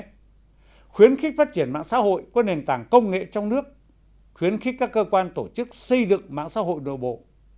khuyến khích phát triển mạng xã hội qua nền tảng công nghệ trong nước khuyến khích các cơ quan tổ chức xây dựng mạng xã hội nội bộ